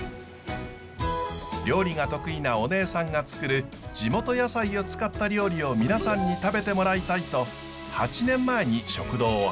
料理が得意なお姉さんが作る地元野菜を使った料理を皆さんに食べてもらいたいと８年前に食堂を始めました。